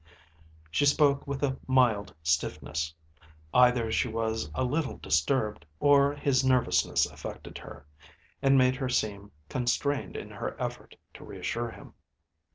She spoke with a mild stiffness. Either she was a little disturbed, or his nervousness affected her, and made her seem constrained in her effort to reassure him.